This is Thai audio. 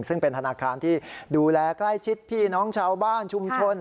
ซึ่งเป็นธนาคารที่ดูแลใกล้ชิดพี่น้องชาวบ้านชุมชน